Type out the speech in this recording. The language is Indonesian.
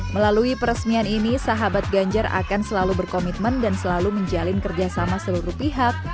melalui peresmian ini sahabat ganjar akan selalu berkomitmen dan selalu menjalin kerjasama seluruh pihak